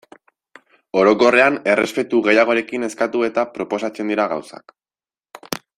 Orokorrean errespetu gehiagorekin eskatu eta proposatzen dira gauzak.